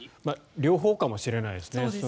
両方かもしれないですね。